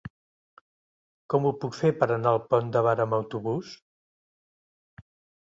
Com ho puc fer per anar al Pont de Bar amb autobús?